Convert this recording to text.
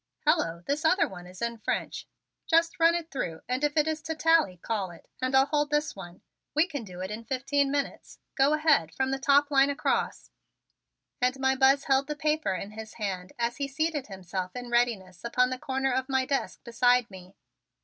Hello, this other one is in French. Just run it through and if it is to tally, call it; and I'll hold this one. We can do it in fifteen minutes. Go ahead from the top line across." And my Buzz held the paper in his hand as he seated himself in readiness upon the corner of my desk beside me.